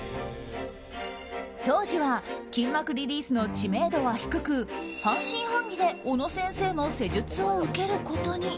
当時は筋膜リリースの知名度は低く半信半疑で小野先生の施術を受けることに。